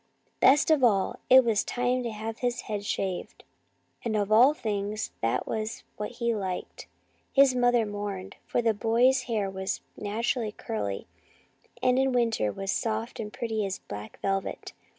Best of all, it was time to have his head shaved, and of all things that was what he liked. His mother mourned, for the boy's hair was naturally curly, and in winter was as soft and pretty as black velvet.